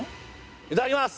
いただきます。